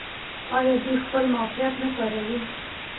آیا دوی خپل موقعیت نه کاروي؟